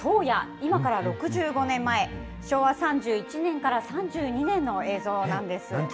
今から６５年前、昭和３１年から３２年の映像なんです。